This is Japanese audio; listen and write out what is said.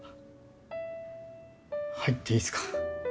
入っていいすか？